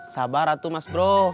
sabar atuh mas bro